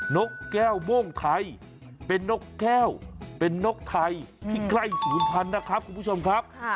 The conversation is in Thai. นกแก้วโม่งไทยเป็นนกแก้วเป็นนกไทยที่ใกล้ศูนย์พันธุ์นะครับคุณผู้ชมครับ